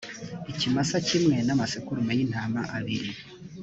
ikimasa kimwe n amasekurume y intama abiri